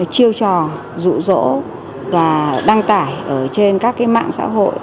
chiêu trò dụ dỗ và đăng tải ở trên các cái mạng xã hội